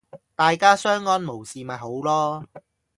大家相安冇事咪好囉